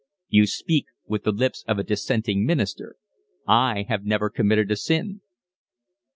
"You speak with the lips of a dissenting minister. I have never committed a sin."